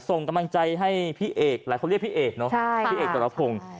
ส่งกำลังใจให้พี่เอกหลายคนเรียกพี่เอกเนอะพี่เอกสรพงศ์